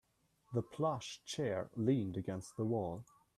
The plush chair leaned against the wall.